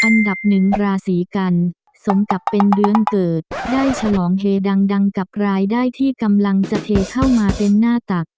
อันดับหนึ่งราศีกันสมกับเป็นเดือนเกิดได้ฉลองเฮดังกับรายได้ที่กำลังจะเทเข้ามาเป็นหน้าตัก